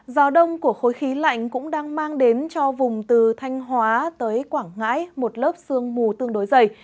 gió đông của khối khí lạnh cũng đang mang đến cho vùng từ thanh hóa tới quảng ngãi một lớp sương mù tương đối dày